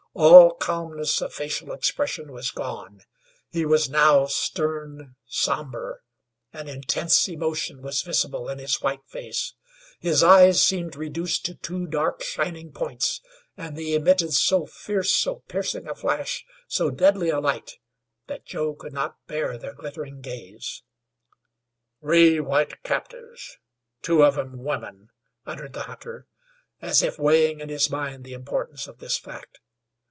All calmness of facial expression was gone; he was now stern, somber. An intense emotion was visible in his white face; his eyes seemed reduced to two dark shining points, and they emitted so fierce, so piercing a flash, so deadly a light, that Joe could not bear their glittering gaze. "Three white captives, two of 'em women," uttered the hunter, as if weighing in his mind the importance of this fact.